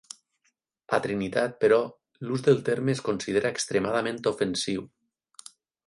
A Trinitat, però, l'ús del terme es considera extremadament ofensiu.